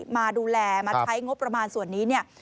มาดูแลมาใช้งบประมาณส่วนนี้เนี่ย